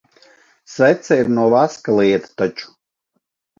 Svece ir no vaska lieta taču.